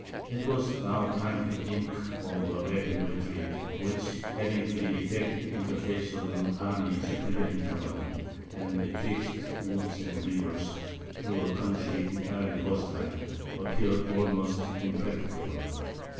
It was now time to think of a rapid retreat, which, having to be effected in the face of an army superior in cavalry, and betwixt woods and rivers, through a country entirely hostile, appeared almost impracticable.